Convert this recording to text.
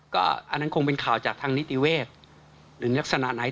ก็อันนั้นคงเป็นข่าวจากทางนิติเวศหรือลักษณะไหน